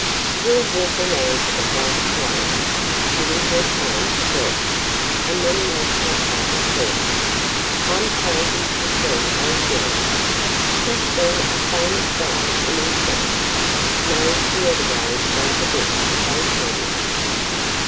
We 'll walk around to the house slowly, giving her time to dress, and then make our party call! I 'm crazy to see old Jerry. He 's been a famous guide in his day. Knows the Everglades like a book, they tell me."